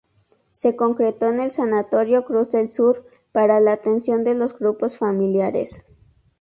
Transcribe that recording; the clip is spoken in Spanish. Se concretó el Sanatorio "Cruz del Sur" para la atención de los grupos familiares.